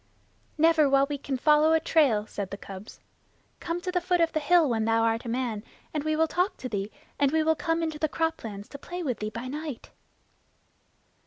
"Never while we can follow a trail," said the cubs. "Come to the foot of the hill when thou art a man, and we will talk to thee; and we will come into the croplands to play with thee by night."